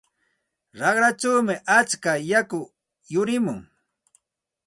Raqrachawmi atska yaku yurimun.